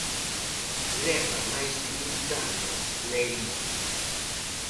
Leva máis de vinte anos na elite.